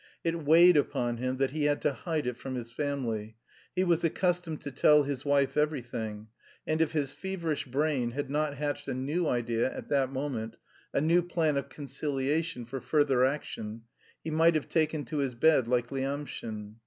It weighed upon him that he had to hide it from his family; he was accustomed to tell his wife everything; and if his feverish brain had not hatched a new idea at that moment, a new plan of conciliation for further action, he might have taken to his bed like Lyamshin.